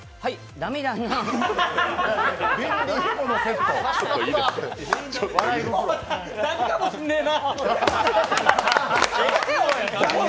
駄目かもしんねえな！